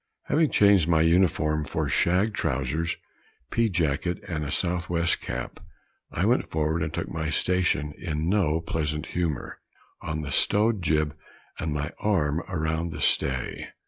Having changed my uniform for shag trowsers, pea jacket and a south west cap, I went forward and took my station, in no pleasant humor, on the stowed jib, with my arm around the stay.